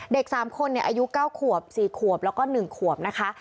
เด็กสามคนเนี่ยอายุเก้าขวบสี่ขวบแล้วก็หนึ่งขวบนะคะ